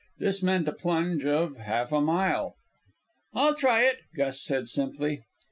This meant a plunge of half a mile. "I'll try it," Gus said simply.